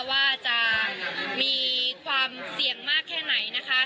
ว่าจะมีความเสี่ยงมากแค่ไหนนะคะ